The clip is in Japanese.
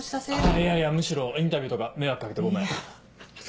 いやいやむしろインタビューとか迷惑掛けてごめん。